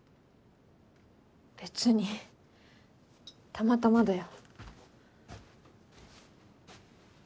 別にたまたまだよ。